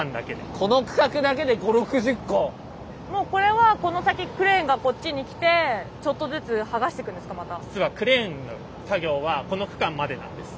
もうこれはこの先クレーンがこっちに来てちょっとずつ剥がしてくんですかまた？